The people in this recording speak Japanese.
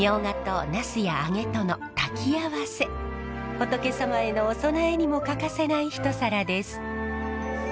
仏様へのお供えにも欠かせない一皿です。